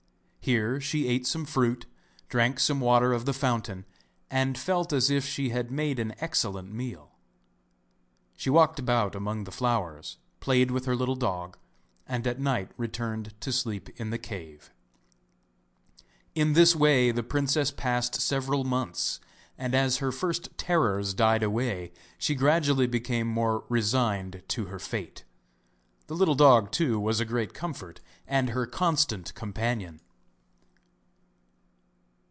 Here she ate some fruit, drank some water of the fountain, and felt as if she had made an excellent meal. She walked about amongst the flowers, played with her little dog, and at night returned to sleep in the cave. In this way the princess passed several months, and as her first terrors died away she gradually became more resigned to her fate. The little dog, too, was a great comfort, and her constant companion.